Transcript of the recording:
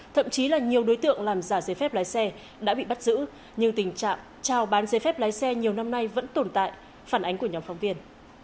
thậm chí là nhiều đối tượng làm giả giấy phép lái xe đã bị bắt giữ nhưng tình trạng trao bán giấy phép lái xe nhiều năm nay vẫn tồn tại phản ánh của nhóm phóng viên